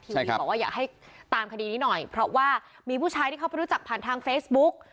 บอกว่าอยากให้ตามคดีนี้หน่อยเพราะว่ามีผู้ชายที่เขาไปรู้จักผ่านทางเฟซบุ๊ก